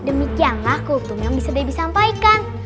demikianlah hurtung yang bisa dewi sampaikan